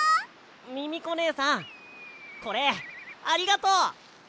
ミミコねえさんこれありがとう！